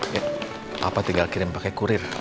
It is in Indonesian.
papa tinggal kirim pakai kurir